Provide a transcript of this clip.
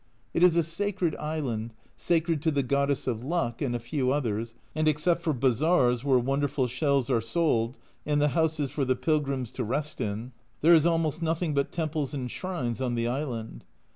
It is a sacred island, sacred to the goddess of Luck (and a few others), and except for bazaars, where wonderful shells are sold, and the houses for the pilgrims to rest in, there is almost nothing but temples and shrines on the island.